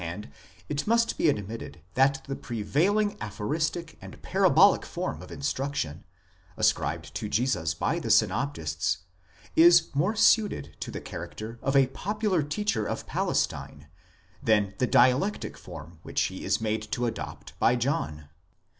DsSCOURSES OF JESUS IN THE FOURTH GOSPEL, 385 it must be admitted that the prevailing aphoristic and parabolic form of in struction, ascribed to Jesus by the synoptists, is more suited to the character of a popular teacher of Palestine, than the dialectic form which he is made to adopt by John.